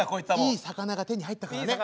いい魚が手に入ったのね。